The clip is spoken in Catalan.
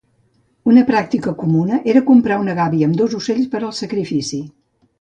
Una pràctica comuna era comprar una gàbia amb dos ocells per al sacrifici.